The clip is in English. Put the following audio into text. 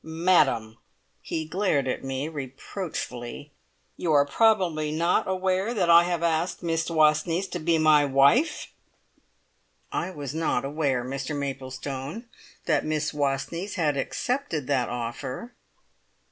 "Madam!" he glared at me reproachfully "you are probably not aware that I have asked Miss Wastneys to be my wife?" "I was not aware, Mr Maplestone, that Miss Wastneys had accepted that offer."